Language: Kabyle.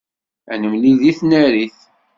Ad nemlil deg tnarit.